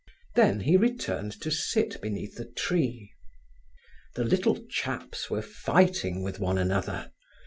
Then he returned to sit beneath the tree. The little chaps were fighting with one another.